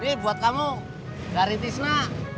cuy ini buat kamu garis tisna